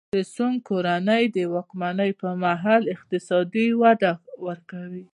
د سونګ کورنۍ د واکمنۍ پرمهال اقتصاد وده وکړه.